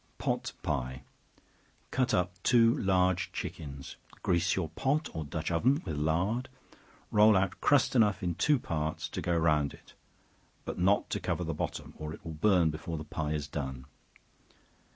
Pot Pie. Cut up two large chickens; grease your pot, or dutch oven, with lard; roll out crust enough in two parts, to go round it, but not to cover the bottom, or it will burn before the pie is done.